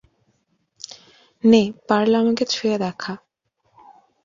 নে পারলে আমাকে ছুঁয়ে দেখা।